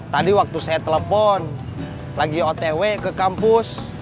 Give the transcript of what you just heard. tadi waktu saya telepon lagi otw ke kampus